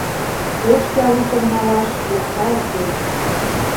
Ош ялукым налаш окса уке